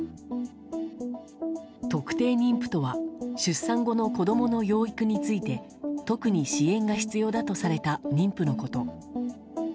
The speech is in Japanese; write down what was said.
特定妊婦とは出産後の子供の養育について特に支援が必要だとされた妊婦のこと。